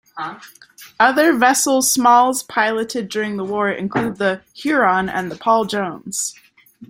Other vessels Smalls piloted during the war include the "Huron" and the "Paul Jones".